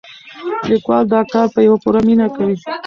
لیکوال دا کار په پوره مینه کوي.